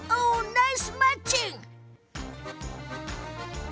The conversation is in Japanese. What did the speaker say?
ナイスマッチング。